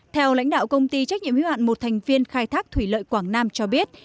theo lãnh đạo công ty trách nhiệm hữu hạn một thành viên khai thác thủy lợi quảng nam cho biết